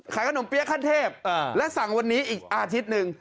ขนมเปี๊ยะขั้นเทพและสั่งวันนี้อีกอาทิตย์หนึ่ง